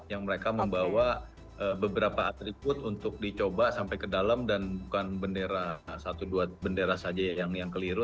yang mereka membawa beberapa atribut untuk dicoba sampai ke dalam dan bukan bendera satu dua bendera saja yang keliru